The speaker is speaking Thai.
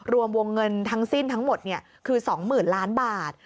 รวมวงเงินทั้งสิ้นทั้งหมดคือ๒๐๐๐ล้านบาท